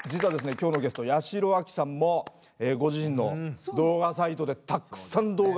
今日のゲスト八代亜紀さんもご自身の動画サイトでたくさん動画を上げてらっしゃいまして。